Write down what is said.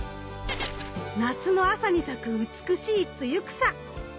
夏の朝に咲く美しいツユクサ。